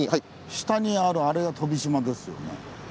下にあるあれが飛島ですよね。